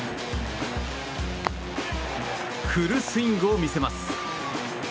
フルスイングを見せます。